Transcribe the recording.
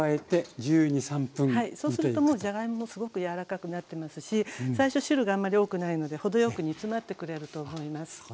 はいそうするともうじゃがいももすごく柔らかくなってますし最初汁があんまり多くないので程よく煮詰まってくれると思います。